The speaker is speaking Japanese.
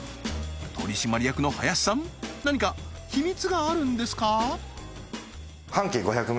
取締役の林さん何か秘密があるんですか？